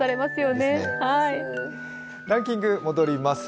ランキング戻ります。